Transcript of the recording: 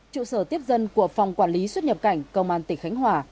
trụ sở tiếp dân của phòng quản lý xuất nhập cảnh công an tỉnh khánh hòa